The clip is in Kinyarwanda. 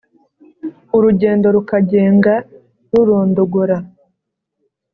Urugendo rukagenga rurondogora